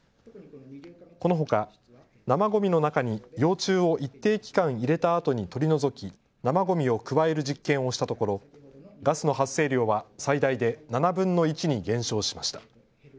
このほか生ごみの中に幼虫を一定期間入れたあとに取り除き生ごみを加える実験をしたところガスの発生量は最大で７分の１に減少しました。